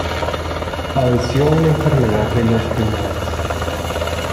Padeció una enfermedad de los riñones.